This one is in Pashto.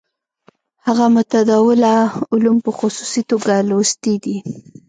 هغه متداوله علوم په خصوصي توګه لوستي دي.